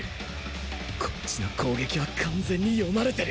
こっちの攻撃は完全に読まれてる